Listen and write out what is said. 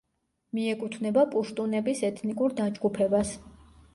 მიეკუთვნება პუშტუნების ეთნიკურ დაჯგუფებას.